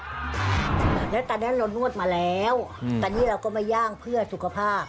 แล้วตอนนั้นเรานวดมาแล้วตอนนี้เราก็มาย่างเพื่อสุขภาพ